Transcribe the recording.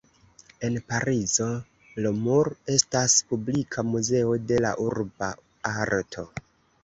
En Parizo, Le Mur estas publika muzeo de urba arto.